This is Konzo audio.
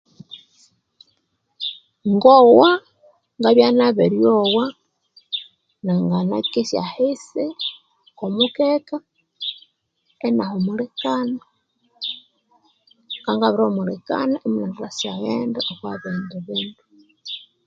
Ngogha ngabya nabiryogha nanganakesya ahisi okomukeka inahumulikana ngabya nabirihumulikana inathasyaghenda okobindibindu